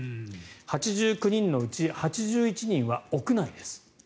８９人のうち８１人は屋内です。